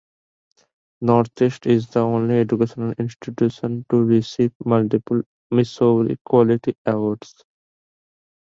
Northwest is the only educational institution to receive multiple Missouri Quality Awards.